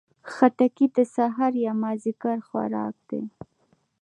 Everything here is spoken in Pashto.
خټکی د سهار یا مازدیګر خوراک ده.